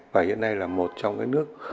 và hiện nay là một trong những nước